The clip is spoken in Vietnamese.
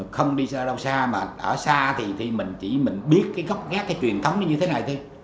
không đi ra đâu xa mà ở xa thì mình chỉ biết cái góc ghét cái truyền thống như thế này thôi